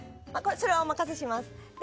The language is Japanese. それはお任せします。